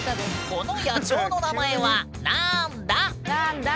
この野鳥の名前はなんだ？